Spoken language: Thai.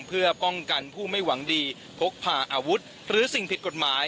เพื่อป้องกันผู้ไม่หวังดีพกพาอาวุธหรือสิ่งผิดกฎหมาย